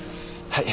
はい。